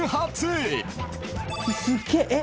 すっげえ。